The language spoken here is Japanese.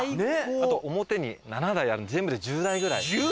あと表に７台全部で１０台ぐらい。